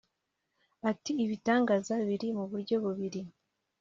Ati “Ibitangaza biri mu buryo bubiri